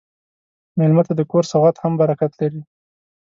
مېلمه ته د کور سوغات هم برکت لري.